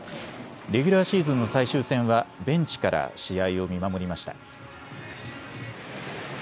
レギュラーシーズンの最終戦はベンチから試合を見守りました。